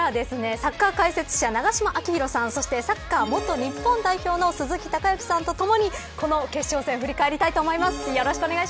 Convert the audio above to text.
ここからはサッカー解説者、永島昭浩さんそしてサッカー元日本代表の鈴木隆行さんと共にこの決勝戦振り返りたいと思います。